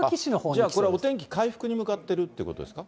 じゃあこれはお天気回復に向かってるってことですか？